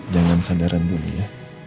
jangan sandaran dulu ya